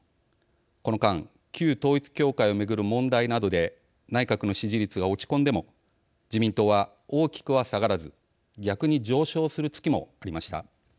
この間、旧統一教会を巡る問題などで内閣の支持率が落ち込んでも自民党は大きくは下がらず逆に上昇する月もありました。